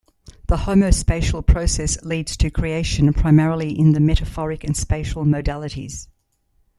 The homospatial process leads to creation primarily in the metaphoric and spatial modalities.